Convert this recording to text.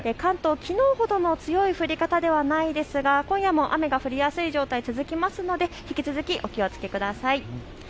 関東、きのうほどの強い降り方ではないですが今夜も雨が降りやすい状態、続きますので引き続きお気をつけください。